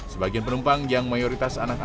sebagian penumpang yang mayoritas anaknya